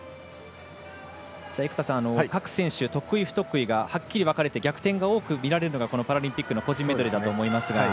各選手、得意不得意がはっきり分かれて逆転が見られるのがこのパラリンピックの個人メドレーだと思いますが。